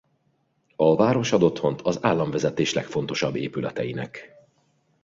A város ad otthont az államvezetés legfontosabb épületeinek.